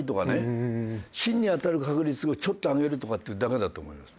芯に当たる確率をちょっと上げるとかっていうだけだと思います。